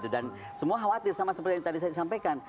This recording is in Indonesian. dan semua khawatir sama seperti yang tadi saya sampaikan